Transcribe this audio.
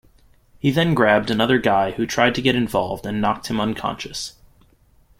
He then grabbed another guy who tried to get involved and knocked him unconscious.